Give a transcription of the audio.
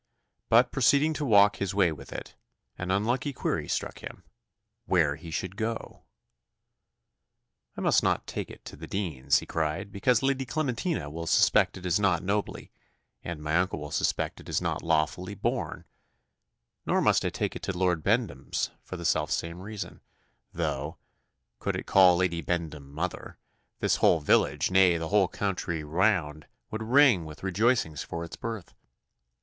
But proceeding to walk his way with it, an unlucky query struck him, where he should go. "I must not take it to the dean's," he cried, "because Lady Clementina will suspect it is not nobly, and my uncle will suspect it is not lawfully, born. Nor must I take it to Lord Bendham's for the self same reason, though, could it call Lady Bendham mother, this whole village, nay, the whole country round, would ring with rejoicings for its birth.